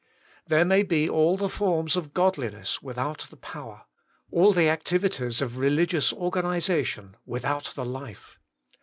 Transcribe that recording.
There may be all the forms of godliness without the power ; all the activities of re ligious organisation w^ithout the life.